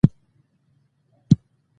لږ تر لږه باید په اونۍ کې یوه ورځ دمه وکړو